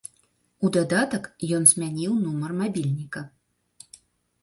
У дадатак ён змяніў нумар мабільніка.